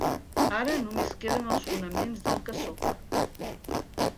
Ara només queden els fonaments del que sóc.